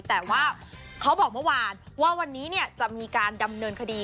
แต่ว่าเขาบอกเมื่อวานว่าวันนี้จะมีการดำเนินคดี